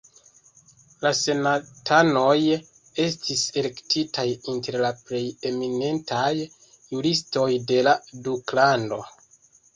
La senatanoj estis elektitaj inter la plej eminentaj juristoj de la duklando.